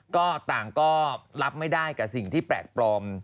ก็ต่างก็รับไม่ได้กับสิ่งที่แปลกปลอม